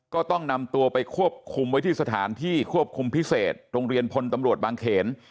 ก็ต้องนำตัวไปควบคุมไว้ที่สถานที่ควบคุมพิเศษโรงเรียนพลตำรวจบางเขน